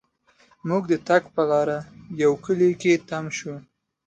مونږ د تګ پر لار یوه کلي کې تم شوو.